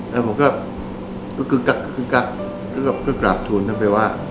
แล้วผมก็กรึกกักกราบทูลทั้งไปว่า